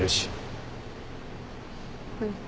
うん。